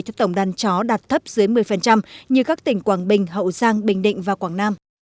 cho tổng đàn chó đạt thấp dưới một mươi như các tỉnh quảng bình hậu giang bình định và quảng nam